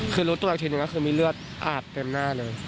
คือรู้ตัวอีกทีหนึ่งก็คือมีเลือดอาบเต็มหน้าเลย